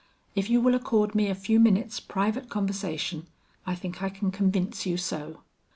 If you will accord me a few minutes private conversation, I think I can convince you so."